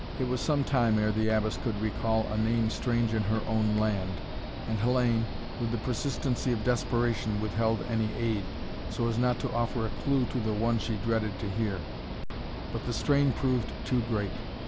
It was some time ere the Abbess could recall a name strange in her own land, and Hellayne, with the persistency of desperation, withheld any aid, so as not to offer a clue to the one she dreaded to hear. But the strain proved too great.